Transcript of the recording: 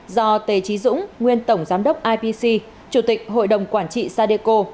do t chí dũng nguyên tổng giám đốc ipc chủ tịch hội đồng quản trị sadeco